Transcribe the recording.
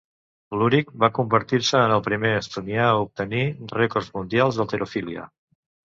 Lurich va convertir-se en el primer estonià a obtenir rècords mundials d'halterofília.